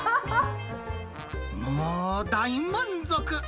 もう大満足。